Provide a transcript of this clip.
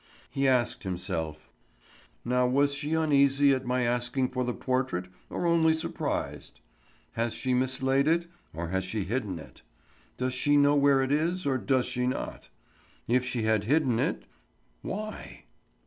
He asked himself: "Now was she uneasy at my asking for the portrait or only surprised? Has she mislaid it, or has she hidden it? Does she know where it is, or does she not? If she had hidden it—why?"